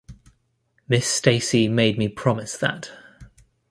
Miss Stacy made me promise that.